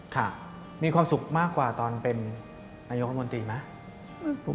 ค่ะมีความสุขมากกว่าตอนเป็นนายกรมนตรีไหม